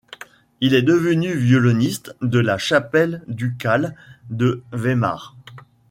Il est devenu violoniste de la Chapelle ducale de Weimar.